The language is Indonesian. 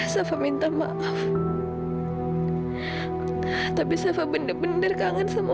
sampai jumpa di video selanjutnya